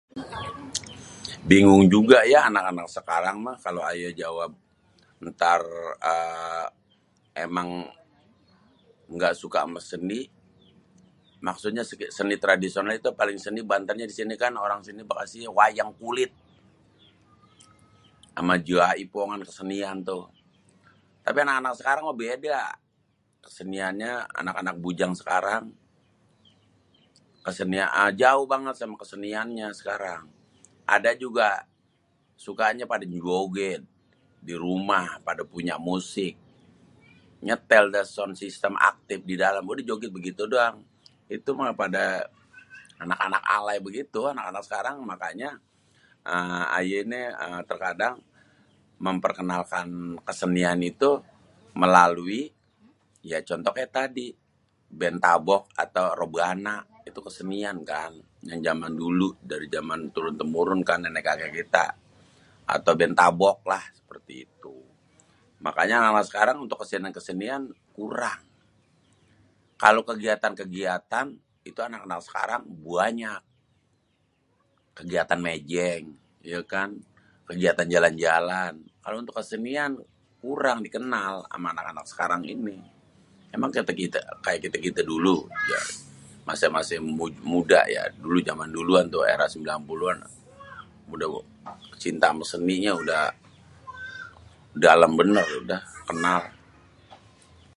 bingung juga ya anak-anak sekarang meh kalo ayé jawab êntar êê emang engga suka amé seni maksudnyé seni tradisional itu paling seni orang sini kan wayang kulit amê jaipongan kesenian tuh tapi anak-anak sekarang mah beda keseniannyê anak-anak bujan sekarang jauh banget amé keseniannya sekarang ada juga sukanyé padé jogét dirumah padé punya musik nyétél déh sound sistem aktif didalêm udêh jogét gitu doang, itu mêh pada anak-anak alay begitu kalo sekarang mêh makanyé ayé terkadang memperkenalkan kesenian itu mêlalui ya contoh kaya tadi béntabok atau reban itu kesenian kan ya jaman dulu dari jamn turun temurun nenek kakek kita atau bén tabok lah seperti itu makanya kalo sekarang untuk kesenian-kesenian kurang kalo kegiatan kegiatan itu anak sekarang buanyak kegiatan méjéng yé kan kegiatan jalan-jalan kalo untuk kesenia kurang dikenal ama anak-anak sekarang ini, emang jaman kita muda dulu èra 90 an cinta ama seninya udah dalêm bênêr udah.